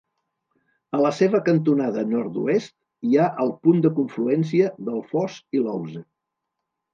A la seva cantonada nord-oest hi ha el punt de confluència del Foss i l'Ouse.